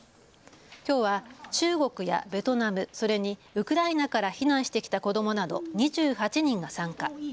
きょうは中国やベトナム、それにウクライナから避難してきた子どもなど２８人が参加。